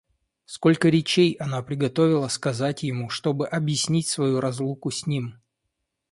Сколько речей она приготовила сказать ему, чтобы объяснить свою разлуку с ним!